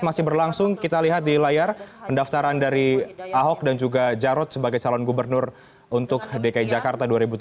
masih berlangsung kita lihat di layar pendaftaran dari ahok dan juga jarot sebagai calon gubernur untuk dki jakarta dua ribu tujuh belas